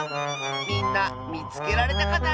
みんなみつけられたかな？